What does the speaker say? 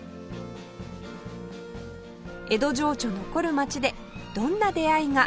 江戸情緒残る街でどんな出会いが？